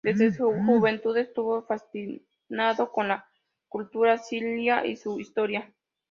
Desde su juventud, estuvo fascinado con la cultura asiria y su historia.